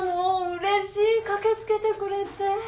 うれしい駆け付けてくれて。